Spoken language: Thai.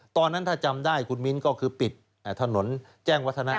ตอนนั้นถ้าจำได้คุณมิ้นก็คือปิดถนนแจ้งวัฒนะ